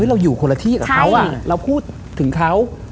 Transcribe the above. เราอยู่คนละที่กับเขาเราพูดถึงเขา